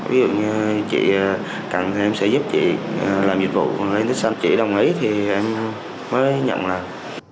ví dụ như chị cần thì em sẽ giúp chị làm dịch vụ lên tích xanh chị đồng ý thì em mới nhận làm